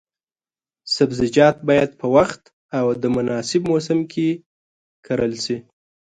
سبزیجات باید په وخت او د مناسب موسم کې کرل شي.